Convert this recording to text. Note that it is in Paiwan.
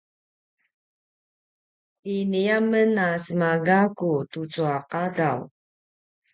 ini a men a sema gaku tucu a qadaw